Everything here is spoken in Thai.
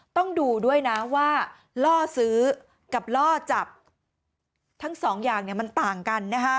ต้องดูด้วยนะว่าล่อซื้อกับล่อจับทั้งสองอย่างมันต่างกันนะฮะ